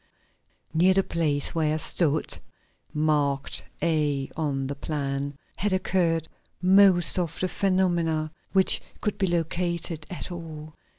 ] Near the place where I stood (marked A on the plan), had occurred most of the phenomena, which could be located at all.